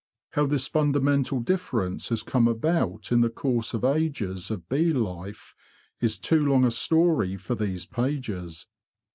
How this fundamental difference has come about in the course of ages of bee life is too long a story for these pages.